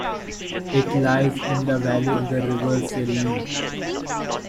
It lies in the valley of the River Serein.